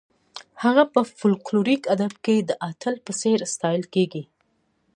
هغه په فولکلوریک ادب کې د اتل په څېر ستایل کیږي.